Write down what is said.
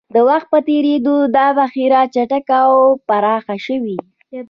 د وخت په تېرېدو دا بهیر چټک او پراخ شوی.